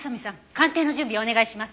鑑定の準備をお願いします。